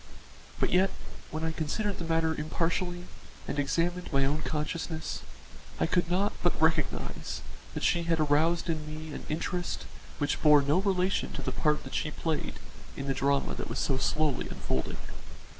But yet, when I considered the matter impartially and examined my own consciousness, I could not but recognise that she had aroused in me an interest which bore no relation to the part that she had played in the drama that was so slowly unfolding.